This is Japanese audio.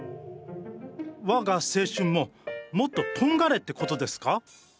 我が青春ももっととんがれってことですか？